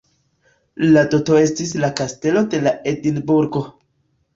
La doto estis la Kastelo de Edinburgo.